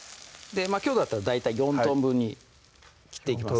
きょうだったら大体４等分に切っていきます